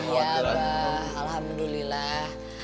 iya abah alhamdulillah